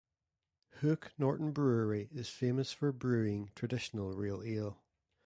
Hook Norton Brewery is famous for brewing traditional real ale.